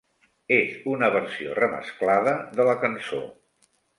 És una versió remesclada de la cançó.